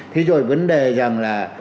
thì rồi vấn đề rằng là